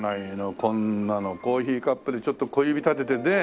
こんなのコーヒーカップでちょっと小指立ててね